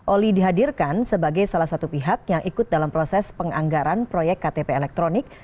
oli dihadirkan sebagai salah satu pihak yang ikut dalam proses penganggaran proyek ktp elektronik